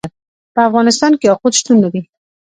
په افغانستان کې یاقوت شتون لري.